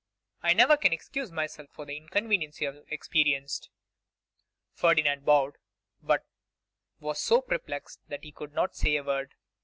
I never can excuse myself for the inconvenience you have experienced.' Ferdinand bowed, but was so perplexed that he could not say a word.